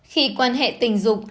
khi quan hệ tình dục